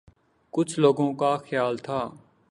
کچھ لوگوں کا خیال تھا